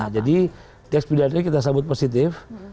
jadi deks pidana kita sambut positif